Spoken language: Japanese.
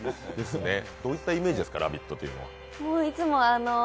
どういったイメージですか、「ラヴィット！」というのは。